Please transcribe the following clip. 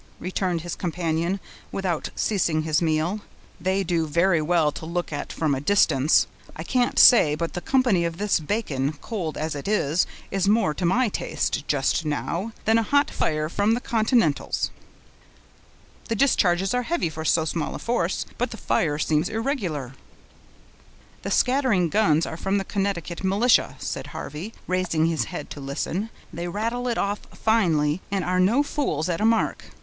returned his companion, without ceasing his meal, "they do very well to look at from a distance; I can't say but the company of this bacon, cold as it is, is more to my taste, just now, than a hot fire from the continentals." "The discharges are heavy for so small a force; but the fire seems irregular." "The scattering guns are from the Connecticut militia," said Harvey, raising his head to listen; "they rattle it off finely, and are no fools at a mark.